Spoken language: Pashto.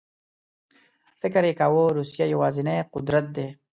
فکر یې کاوه روسیه یوازینی قدرت دی.